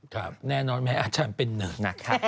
ครับแน่นอนแม้อาจารย์เป็นเนิ่นน่ะค่ะ